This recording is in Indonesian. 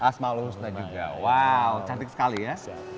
asma'ul husna juga wow cantik sekali ya